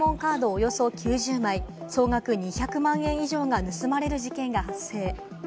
およそ９０枚、総額２００万円以上が盗まれる事件が発生。